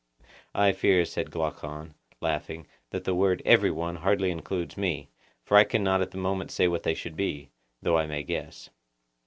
I fear, said Glaucon, laughing, that the word 'every one' hardly includes me, for I cannot at the moment say what they should be; though I may guess.